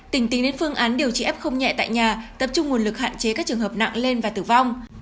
tỉnh tính đến phương án điều trị f nhẹ tại nhà tập trung nguồn lực hạn chế các trường hợp nặng lên và tử vong